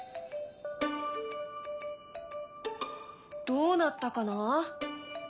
どうなったかな？